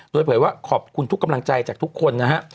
โดยเผยว่าขอบคุณทุกกำลังใจจากทุกคนนะฮะ